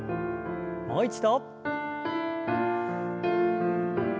もう一度。